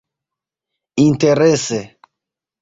Interese